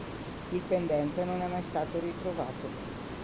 Il pendente non è mai stato ritrovato.